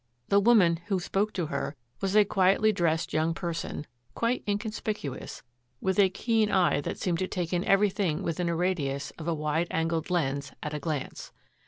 The woman who spoke to her was a quietly dressed young person, quite inconspicuous, with a keen eye that seemed to take in everything within a radius of a wide angled lens at a glance.